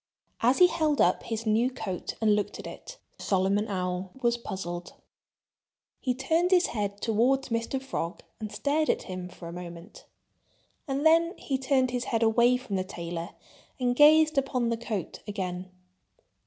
As he held up his new coat and looked at it, Solomon Owl was puzzled. He turned his head toward Mr. Frog and stared at him for a moment. And then he turned his head away from the tailor and gazed upon the coat again.